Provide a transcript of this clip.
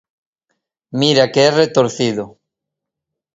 Mira que es retorcido.